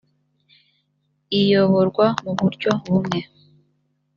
iyoborwa mu buryo bumwe